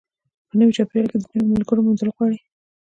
په نوي چاپېریال کې د نویو ملګرو موندل غواړي.